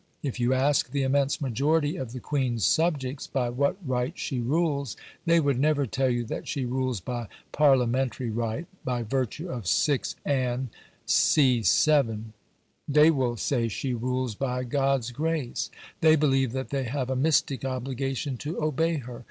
If you ask the immense majority of the Queen's subjects by what right she rules, they would never tell you that she rules by Parliamentary right, by virtue of 6 Anne, c. 7. They will say she rules by "God's grace"; they believe that they have a mystic obligation to obey her.